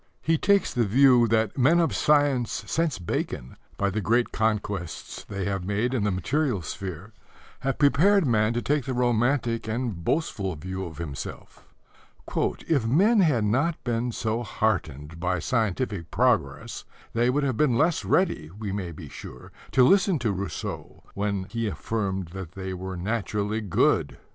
He takes the view that men of science since Bacon, by the great conquests they have made in the material sphere, have prepared man to take the romantic and boastful view of himself. "If men had not been so heartened by scientific progress they would have been less ready, we may be sure, to listen to Rousseau when he affirmed that they were naturally good."